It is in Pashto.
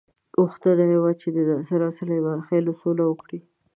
غوښتنه یې وه چې د ناصرو او سلیمان خېلو سوله وکړي.